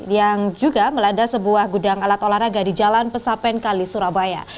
yang juga melanda sebuah gudang alat olahraga di jalan pesapen kali surabaya